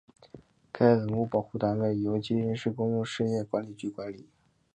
该文物保护单位由吉林市公用事业管理局管理。